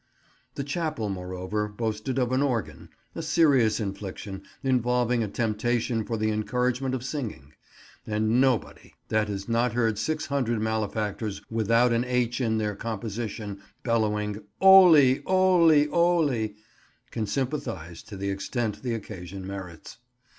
The chapel, moreover, boasted of an organ—a serious infliction, involving a temptation for the encouragement of singing; and nobody that has not heard 600 malefactors without an "h" in their composition bellowing "'Oly, 'oly, 'oly," can sympathize to the extent the occasion merits.